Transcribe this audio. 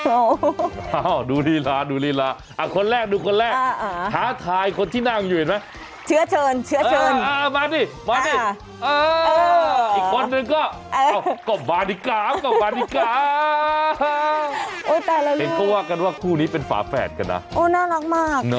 โอ้โฮดูลีลาคนแรกท้าทายคนที่นั่งอยู่เห็นไหม